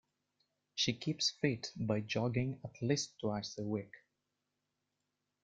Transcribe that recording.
She keeps fit by jogging at least twice a week.